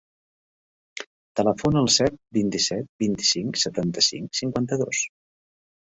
Telefona al set, vint-i-set, vint-i-cinc, setanta-cinc, cinquanta-dos.